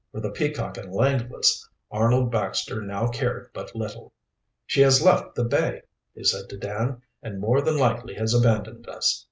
For the Peacock and Langless Arnold Baxter now cared but little. "She has left the bay," he said to Dan, "and more than likely has abandoned us."